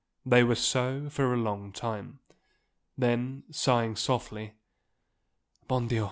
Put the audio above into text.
They were so for a long time. Then, sighing softly, "_Bon Dieu!